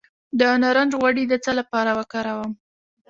د نارنج غوړي د څه لپاره وکاروم؟